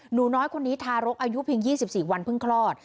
หนูน้อยคนนี้ทารกอายุเพียง๒๔วันเพิ่งคลอด